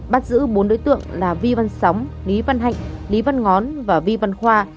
bắt giữ bốn đối tượng là vi văn sóng lý văn hạnh lý văn ngón và vi văn khoa